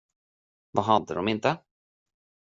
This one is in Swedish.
Vad hade de inte?